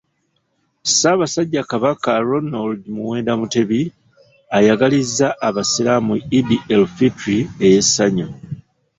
Ssaabasajja Kabaka Ronald Muwenda Mutebi, ayagalizza Abasiraamu Eid el Fitri ey'essanyu